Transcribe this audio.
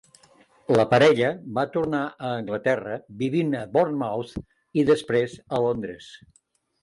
La parella va tornar a Anglaterra, vivint a Bournemouth i després a Londres.